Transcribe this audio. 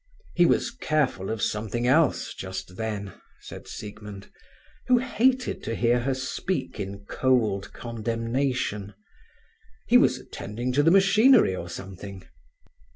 "He was careful of something else just then," said Siegmund, who hated to hear her speak in cold condemnation. "He was attending to the machinery or something."